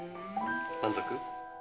満足？